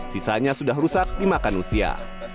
sisanya sudah rusak dimakan usia